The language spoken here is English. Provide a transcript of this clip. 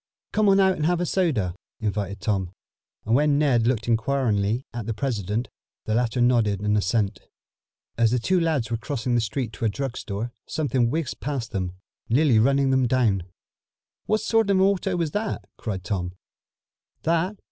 "Come on out and have some soda," invited Tom, and when Ned looked inquiringly at the president, the latter nodded an assent. As the two lads were crossing the street to a drug store, something whizzed past them, nearly running them down. "What sort of an auto was that?" cried Tom. "That?